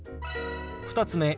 ２つ目。